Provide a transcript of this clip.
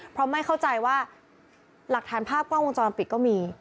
เพราะไม่เข้าใจว่าหลักฐานภาพกล้องวงจรปิดก็มี